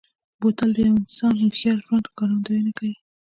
بوتل د یوه انسان هوښیار ژوند ښکارندوي کوي.